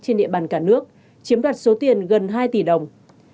trên địa bàn cả nước chiếm đoạt số tiền gần hai tỷ đồng